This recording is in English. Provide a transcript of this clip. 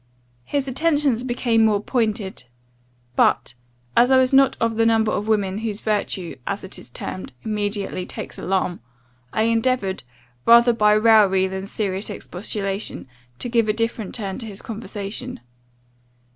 "His attentions became more pointed; but, as I was not of the number of women, whose virtue, as it is termed, immediately takes alarm, I endeavoured, rather by raillery than serious expostulation, to give a different turn to his conversation.